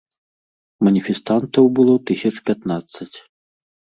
Маніфестантаў было тысяч пятнаццаць.